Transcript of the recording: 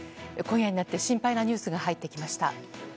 今夜になって心配なニュースが入ってきました。